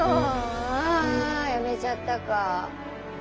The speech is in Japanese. あやめちゃったか。